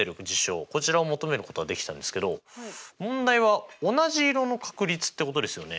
こちらを求めることができたんですけど問題は同じ色の確率ってことですよね？